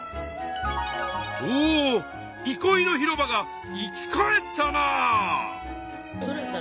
おいこいの広場が生き返ったなあ。